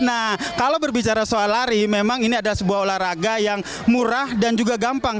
nah kalau berbicara soal lari memang ini adalah sebuah olahraga yang murah dan juga gampang